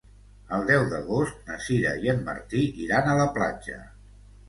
El deu d'agost na Sira i en Martí iran a la platja.